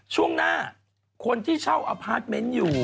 ช่วงหน้าคนที่เช่าอพาร์ทเมนต์อยู่